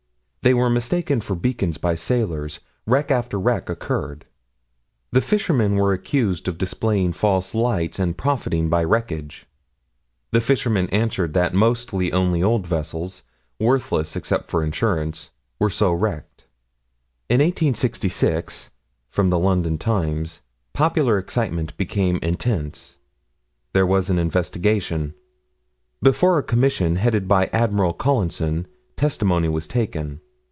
They were mistaken for beacons by sailors. Wreck after wreck occurred. The fishermen were accused of displaying false lights and profiting by wreckage. The fishermen answered that mostly only old vessels, worthless except for insurance, were so wrecked. In 1866 (London Times, Jan. 9, 1866) popular excitement became intense. There was an investigation. Before a commission, headed by Admiral Collinson, testimony was taken.